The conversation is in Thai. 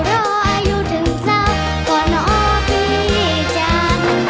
รออายุถึงเจ้าก่อนอ้อพี่เจ้า